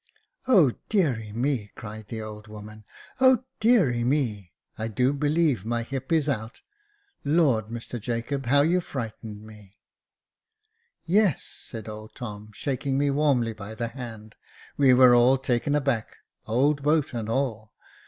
" O deary me !" cried the old woman —" O deary me ! I do believe my hip is out ! Lord, Mr Jacob, how you frightened me !"" Yes," said old Tom, shaking me warmly by the hand, we were all taken aback, old boat and all.